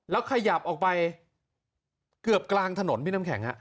แล้วขยับออกไปเกือบกลางถนนพี่น้ำแข็ง